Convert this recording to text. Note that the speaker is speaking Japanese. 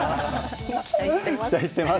期待してます。